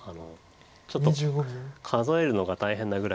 ちょっと数えるのが大変なぐらい。